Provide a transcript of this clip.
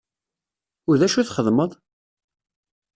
U d acu i txeddmeḍ?